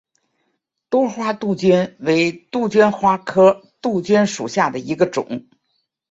多花杜鹃为杜鹃花科杜鹃属下的一个种。